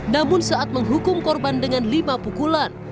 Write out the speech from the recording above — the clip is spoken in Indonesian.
namun saat menghukum korban dengan lima pukulan